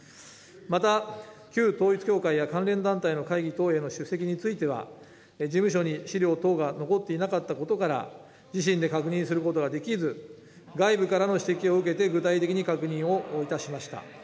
また旧統一教会や関連団体の会議等への出席については事務所に資料等が残っていなかったことから、自身で確認することができず、外部からの指摘を受けて、具体的に確認をいたしました。